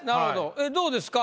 えっどうですか？